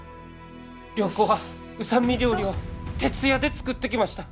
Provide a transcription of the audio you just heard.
良子は御三味料理を徹夜で作ってきました。